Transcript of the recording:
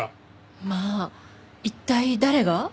まあ一体誰が？